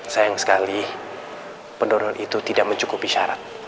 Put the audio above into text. sayang sekali penurunan itu tidak mencukupi syarat